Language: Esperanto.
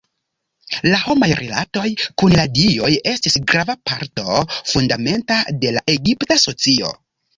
La homaj rilatoj kun la dioj estis grava parto fundamenta de la egipta socio.